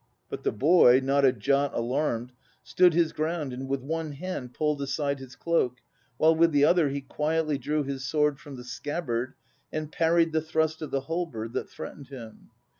But the boy, not a jot alarmed, Stood his ground and with one hand pulled aside his cloak, While with the other he quietly drew his sword from the scabbard And parried the thrust of the halberd that threatened him.